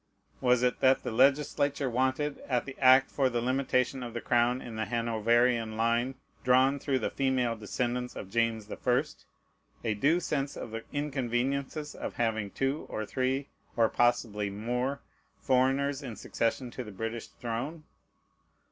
Was it that the legislature wanted, at the act for the limitation of the crown in the Hanoverian line, drawn through the female descendants of James the First, a due sense of the inconveniences of having two or three, or possibly more, foreigners in succession to the British throne?